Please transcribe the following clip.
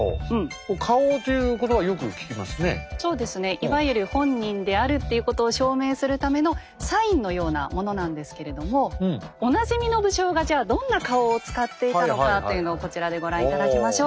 いわゆる本人であるっていうことを証明するためのサインのようなものなんですけれどもおなじみの武将がじゃあどんな花押を使っていたのかというのをこちらでご覧頂きましょう。